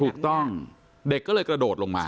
ถูกต้องเด็กก็เลยกระโดดลงมา